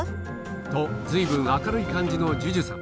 と随分明るい感じのジュジュさん